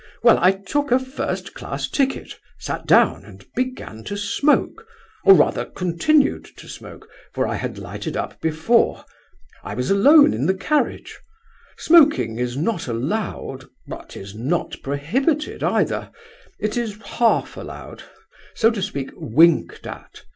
Well, I took a first class ticket, sat down, and began to smoke, or rather continued to smoke, for I had lighted up before. I was alone in the carriage. Smoking is not allowed, but is not prohibited either; it is half allowed—so to speak, winked at.